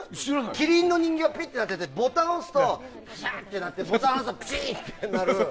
キリンの人形がピッとなっててボタンを押すとくしゃってなってボタンを押すとピシってなる。